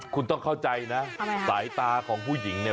คุณต้องเข้าใจนะสายตาของผู้หญิงเนี่ย